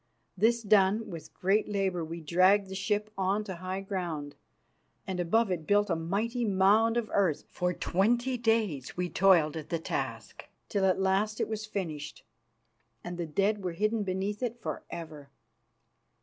This done, with great labour we dragged the ship on to high ground, and above it built a mighty mound of earth. For twenty days we toiled at the task, till at last it was finished and the dead were hidden beneath it for ever.